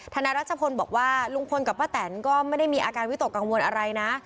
นายรัชพลบอกว่าลุงพลกับป้าแตนก็ไม่ได้มีอาการวิตกกังวลอะไรนะ